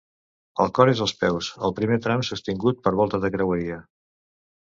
El cor és als peus, al primer tram sostingut per volta de creueria.